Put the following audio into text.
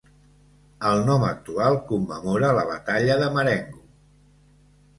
El nom actual commemora la batalla de Marengo.